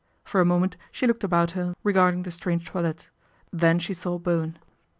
For a moment she looked about her regarding the strange toilettes, then she saw Bowen.